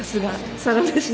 「サラメシ」だ！